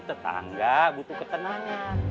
tetangga butuh ketenangan